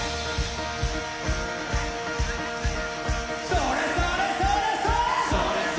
それそれそれそれ！